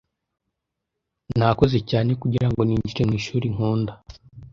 Nakoze cyane kugirango ninjire mu ishuri nkunda.